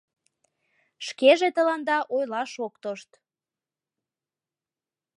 Шкеже тыланда ойлаш ок тошт.